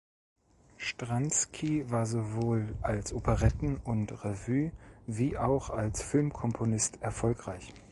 Stransky war sowohl als Operetten- und Revue- wie auch als Filmkomponist erfolgreich.